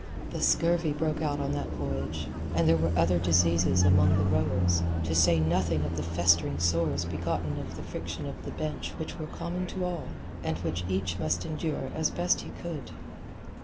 The scurvy broke out on that voyage, and there were other diseases among the rowers, to say nothing of the festering sores begotten of the friction of the bench which were common to all, and which each must endure as best he could.